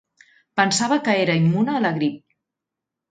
Pensava que era immune a la grip.